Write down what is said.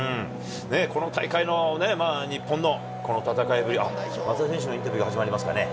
この大会の日本の戦いぶり、松田選手のインタビューが始まりますかね？